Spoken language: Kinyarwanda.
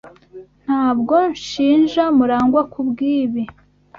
Ntabwo nshinja Murangwa kubwibi.